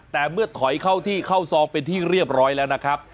แต่เมื่อถอยเข้าที่เข้าซองเป็นที่เรียบร้อยแล้วนะครับ